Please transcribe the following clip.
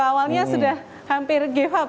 awalnya sudah hampir game up